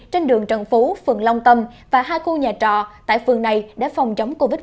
trên đường trần phú phường long tâm và hai khu nhà trọ tại phường này để phòng chống covid một mươi